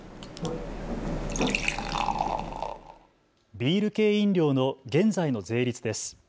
ビール系飲料の現在の税率です。